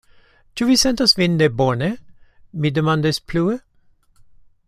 Ĉu vi sentas vin nebone? mi demandis plue.